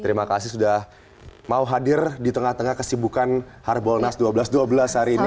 terima kasih sudah mau hadir di tengah tengah kesibukan harbolnas dua belas dua belas hari ini